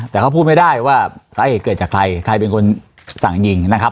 แต่เขาพูดไม่ได้ว่าสาเหตุเกิดจากใครใครเป็นคนสั่งยิงนะครับ